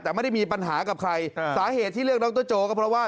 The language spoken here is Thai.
แต่ไม่ได้มีปัญหากับใครสาเหตุที่เลือกดรโจก็เพราะว่า